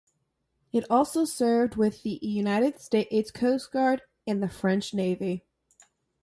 It also served with the United States Coast Guard and the French Navy.